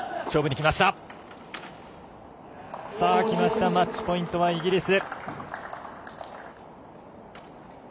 きましたマッチポイントはイギリス。